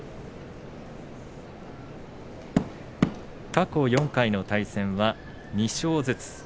過去４回の対戦は２勝ずつ。